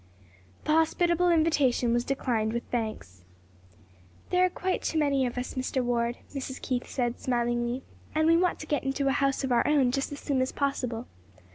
The hospitable invitation was declined with thanks. "There are quite too many of us, Mr. Ward," Mrs. Keith said, smilingly, "and we want to get into a house of our own just as soon as possible."